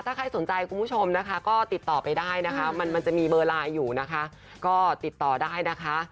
ถ้าใครสนใจคุณผู้ชมก็ติดต่อไปได้ก็ติดต่อได้นะคะ